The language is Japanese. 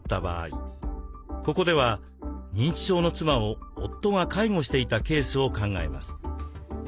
ここでは認知症の妻を夫が介護していたケースを考えます。